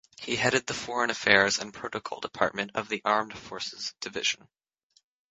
He headed the Foreign Affairs and Protocol department of the Armed Forces Division.